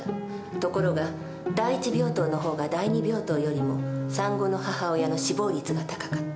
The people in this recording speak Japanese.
ところが第一病棟の方が第二病棟よりも産後の母親の死亡率が高かった。